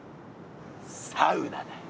サウナだよ。